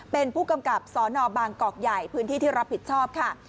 เป็นผู้กำกับสนบางกอกใหญ่พื้นที่ที่รับผิดชอบค่ะ